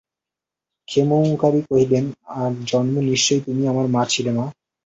ক্ষেমংকরী কহিলেন, আর-জন্মে নিশ্চয়ই তুমি আমার মা ছিলে মা!